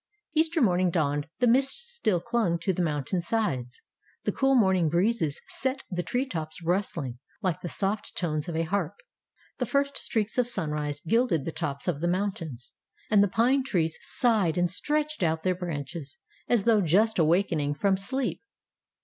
"" Easter morning dawned. The mists still clung to the mountain sides. The cool morning breezes set the tree tops rustling like the soft tones of a harp. The first streaks of sunrise gilded the tops of the mountains, and the pine trees sighed and stretched out their branches, as though just awakening from sleep.